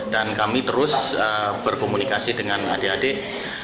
dan kami terus berkomunikasi dengan adik adik